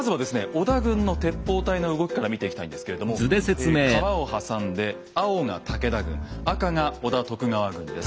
織田軍の鉄砲隊の動きから見ていきたいんですけれども川を挟んで青が武田軍赤が織田・徳川軍です。